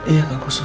iya kakak persoal